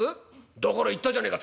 「だから言ったじゃねえか。